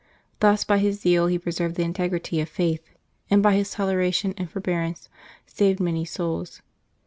Thus by his zeal he preserved the integrity of faith, and by his toleration and forbearance saved many souls.